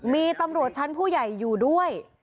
มีตำรวจชั้นผู้ใหญ่อยู่ด้วย